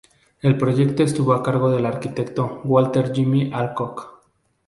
El proyecto estuvo a cargo del arquitecto Walter Jimmy Alcock.